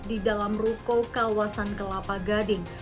di dalam ruko kawasan kelapa gading